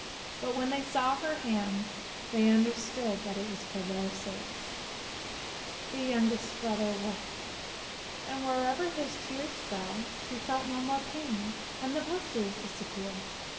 But when they saw her hands, they understood that it was for their sakes; the youngest brother wept, and wherever his tears fell, she felt no more pain, and the blisters disappeared.